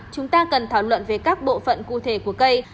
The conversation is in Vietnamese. chúng ta cần thảo luận về các bộ phận cụ thể của cây